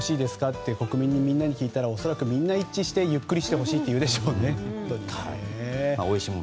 って国民みんなに聞いたらみんな一致してゆっくりしてほしいと言うでしょうね。